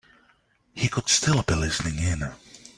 He could still be listening in.